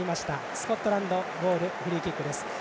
スコットランドボールのフリーキックです。